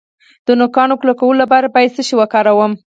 د نوکانو کلکولو لپاره باید څه شی وکاروم؟